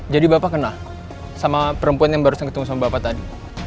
jadi bapak kenal sama perempuan yang baru ketemu sama bapak tadi